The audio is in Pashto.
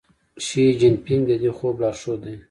شي جین پینګ د دې خوب لارښود دی.